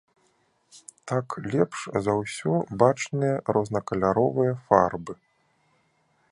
Так лепш за ўсё бачныя рознакаляровыя фарбы.